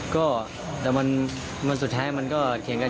ก็แต่วันสุดท้ายมันก็เถียงกัน